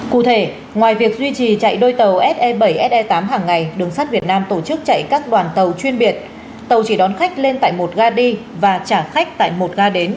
cụ thể ngoài việc duy trì chạy đôi tàu se bảy se tám hàng ngày đường sắt việt nam tổ chức chạy các đoàn tàu chuyên biệt tàu chỉ đón khách lên tại một ga đi và trả khách tại một ga đến